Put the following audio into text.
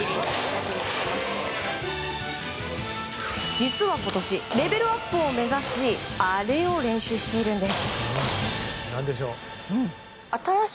実は今年、レベルアップを目指し「アレ」を練習しているんです。